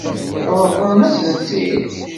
Ṛeḍlen-asen-tt-id?